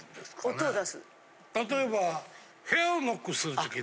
例えば。